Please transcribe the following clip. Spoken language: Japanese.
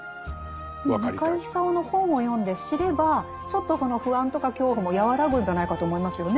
中井さんの本を読んで知ればちょっとその不安とか恐怖も和らぐんじゃないかと思いますよね。